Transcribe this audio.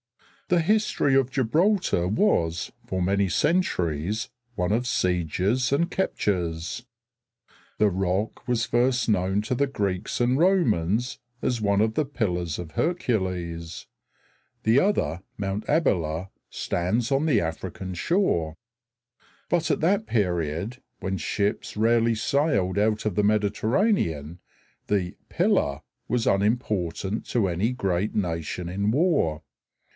The history of Gibraltar was for many centuries one of sieges and captures. The rock was first known to the Greeks and Romans as one of the pillars of Hercules; the other, Mt. Abyla, stands on the African shore. But at that period, when ships rarely sailed out of the Mediterranean, the "pillar" was unimportant to any great nation in war.